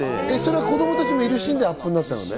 子供たちもいるシーンでアップになったのね。